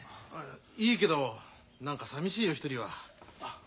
いいけど何かさみしいよ一人は。